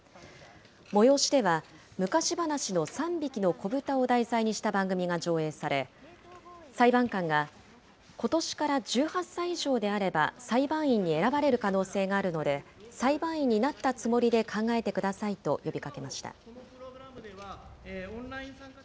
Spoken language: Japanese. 催しでは、昔話の三匹のこぶたを題材にした番組が上映され、裁判官が、ことしから１８歳以上であれば、裁判員に選ばれる可能性があるので、裁判員になったつもりで考えてくださいと呼びかけました。